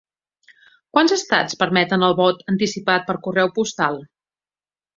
Quants estats permeten el vot anticipat per correu postal?